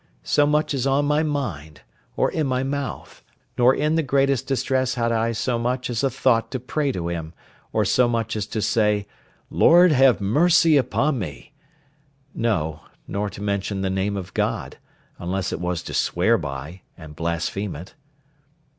so much as on my mind, or in my mouth; nor in the greatest distress had I so much as a thought to pray to Him, or so much as to say, "Lord, have mercy upon me!" no, nor to mention the name of God, unless it was to swear by, and blaspheme it.